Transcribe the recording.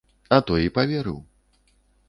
А той і паверыў.